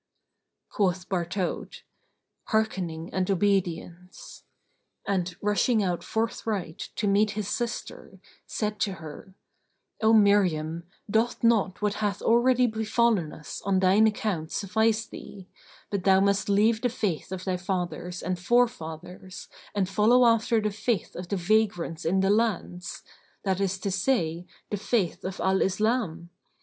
Quoth Bartaut, "Hearkening and obedience"; and, rushing out forthright to meet his sister, said to her, "O Miriam, doth not what hath already befallen us on thine account suffice thee, but thou must leave the faith of thy fathers and forefathers and follow after the faith of the Vagrants in the lands, that is to say, the faith of Al Islam?